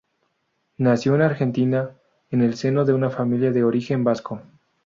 Nació en Argentina en el seno de una familia de origen vasco.